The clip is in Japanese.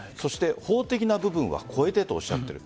法的な部分は超えてとおっしゃっている。